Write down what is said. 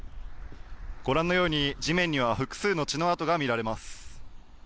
ご覧のように地面には複数の血の痕が見られます。